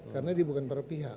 karena dia bukan para pihak